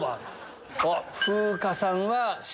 風花さんは下？